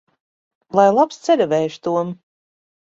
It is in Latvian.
Lai labs ceļavējš, Tom!